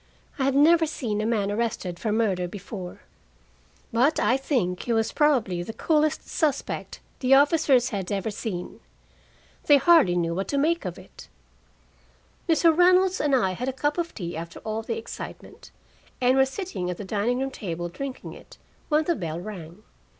I had never seen a man arrested for murder before, but I think he was probably the coolest suspect the officers had ever seen. They hardly knew what to make of it. Mr. Reynolds and I had a cup of tea after all the excitement, and were sitting at the dining room table drinking it, when the bell rang.